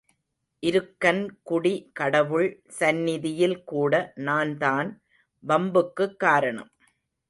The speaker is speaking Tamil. இருக்கன் குடி கடவுள் சந்நிதியில் கூட நான் தான் வம்புக்குக் காரணம்.